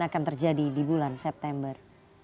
akan terjadi di bulan september